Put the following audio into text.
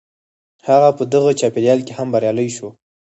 هغه په دغه چاپېريال کې هم بريالی شو.